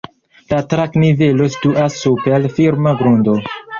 La trak-nivelo situas super firma grundo.